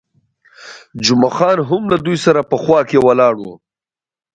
جمعه خان هم له دوی سره په خوا کې ولاړ وو.